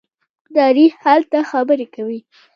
تاریخ هلته خبرې کوي.